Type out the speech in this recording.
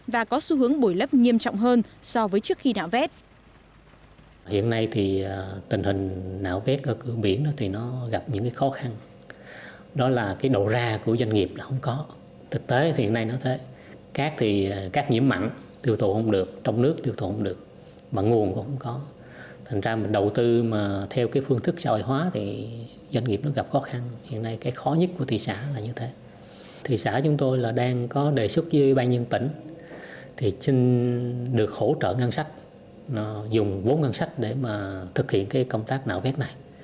và có xu hướng bồi lấp nghiêm trọng hơn so với trước khi nạo vét